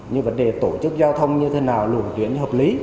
như vấn đề tổ chức giao thông như thế nào luồng tuyến hợp lý